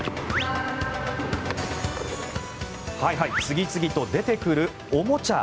次々と出てくるおもちゃ。